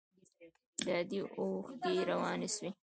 د ادې اوښکې روانې سوې.